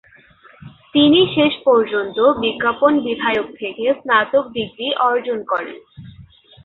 তিনি শেষ পর্যন্ত বিজ্ঞাপন বিধায়ক থেকে স্নাতক ডিগ্রী অর্জন করেন।